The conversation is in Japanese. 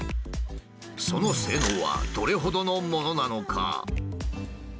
その性能はどれほどのものなのか？